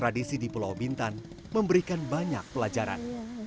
tradisi di pulau bintan memberikan banyak pelajaran